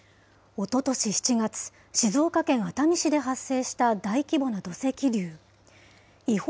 おととし７月、静岡県熱海市で発生した大規模な土石流。